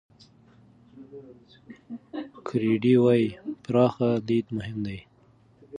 ګرېډي وايي، پراخ لید مهم دی.